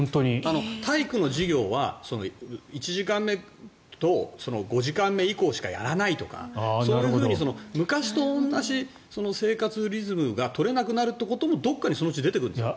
体育の授業は１時間目と５時間目以降しかやらないとかそういうふうに昔と同じ生活リズムが取れなくなるってこともどこかでそのうち出てくるんです。